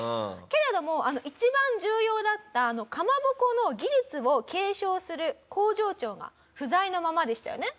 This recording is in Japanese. けれども一番重要だったかまぼこの技術を継承する工場長が不在のままでしたよね。